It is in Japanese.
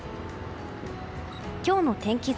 今日の天気図。